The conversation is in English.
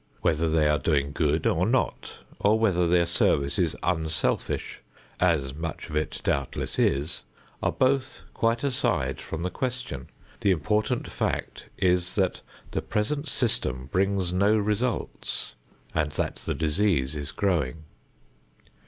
Whether they are doing good or not, or whether their service is unselfish, as much of it doubtless is, are both quite aside from the question. The important fact is that the present system brings no results and that the disease is growing.